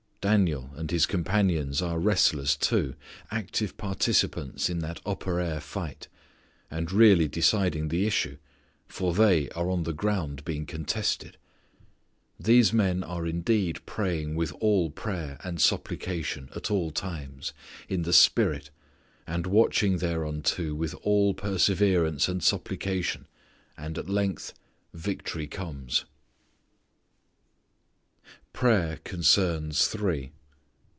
Daniel and his companions are wrestlers too, active participants in that upper air fight, and really deciding the issue, for they are on the ground being contested. These men are indeed praying with all prayer and supplication at all times, in the Spirit, and watching thereunto with all perseverance and supplication, and at length victory comes. Prayer Concerns Three.